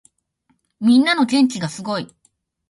みんなの元気がすごい。